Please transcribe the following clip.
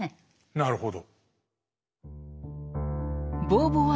なるほど。